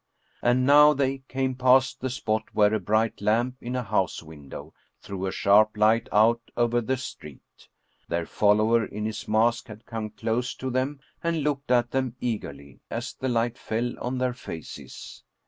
And now they came past the spot where a bright lamp in a house window threw a sharp light out over the street. Their follower in his mask had come close to them and looked at them eagerly as the light fell on their faces.